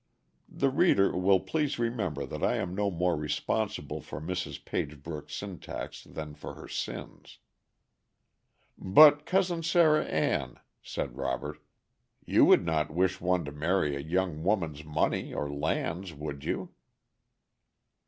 The reader will please remember that I am no more responsible for Mrs. Pagebrook's syntax than for her sins. "But, Cousin Sarah Ann," said Robert, "you would not wish one to marry a young woman's money or lands, would you?"